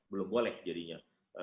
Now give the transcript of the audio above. belum boleh jadinya